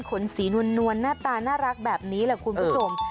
ขนสีนวลหน้าตาน่ารักแบบนี้แหละคุณผู้ชม